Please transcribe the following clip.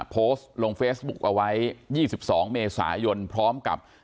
โพสต์ลงเฟซบุ๊กเอาไว้๒๒เมษายนพร้อมกับ